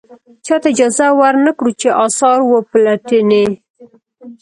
چاته اجازه ور نه کړو چې اثار و پلټنې.